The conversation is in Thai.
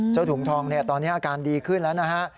เจ้าถุงทองเนี่ยตอนนี้อาการดีขึ้นแล้วนะฮะ